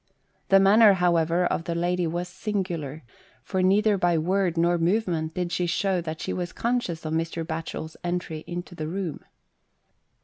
The manner, however, of the lady was singular, for neither by word nor movement did she show that she was conscious of Mr. Batchel's entry into the room.